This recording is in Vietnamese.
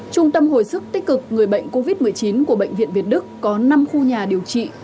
trung tâm hồi sức tích cực người bệnh covid một mươi chín của bệnh viện việt đức có năm khu nhà điều trị